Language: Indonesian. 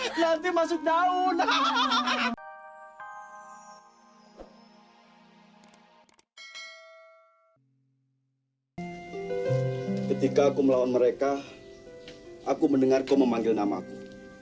hahaha nanti masuk daun hahaha ketika aku melawan mereka aku mendengar kau memanggil namaku